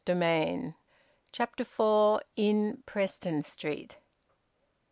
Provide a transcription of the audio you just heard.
VOLUME FOUR, CHAPTER FOUR. IN PRESTON STREET.